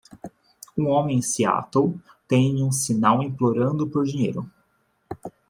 Um homem em Seattle tem um sinal implorando por dinheiro.